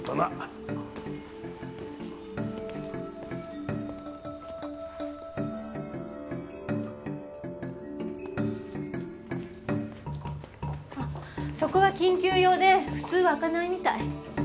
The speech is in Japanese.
あっそこは緊急用で普通は開かないみたい。